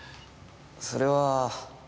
それは。